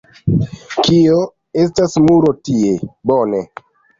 Kio? Estas muro tie. Bone.